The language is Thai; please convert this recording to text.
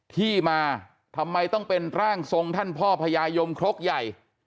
ที่มาทำไมต้องเป็นร่างทรงท่านพ่อพญายมครกใหญ่